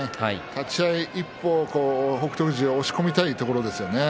立ち合い一歩、北勝富士を押し込みたいところですよね。